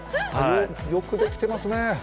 よくできていますね。